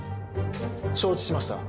承知しました。